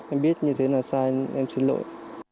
em biết như thế là sai em xin lỗi